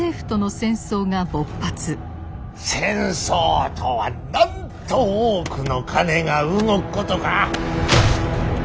戦争とはなんと多くの金が動くことか。